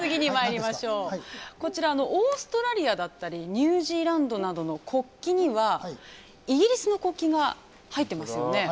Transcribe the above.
こちらのオーストラリアだったりニュージーランドなどの国旗には、イギリスの国旗が入っていますよね。